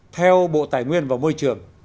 theo bộ tài nguyên và môi trường